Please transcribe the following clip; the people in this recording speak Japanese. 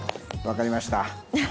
わかりました。